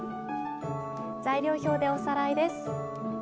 材料表でおさらいです。